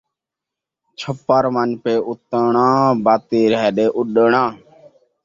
چھپر ون٘ڄ پئے اُتاݨاں، باقی رہ ڳئے اݙاݨاں